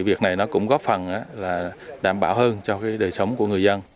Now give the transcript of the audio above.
việc này cũng góp phần đảm bảo hơn cho đời sống của người dân